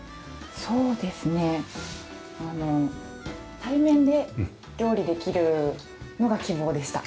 そうですねあの対面で料理できるのが希望でした。